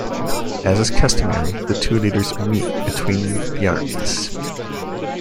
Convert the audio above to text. As is customary, the two leaders meet between the armies.